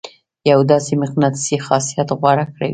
يو داسې مقناطيسي خاصيت غوره کوي.